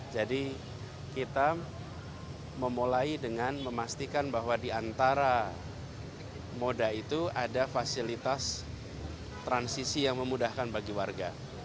jadi kita memulai dengan memastikan bahwa di antara moda itu ada fasilitas transisi yang memudahkan bagi warga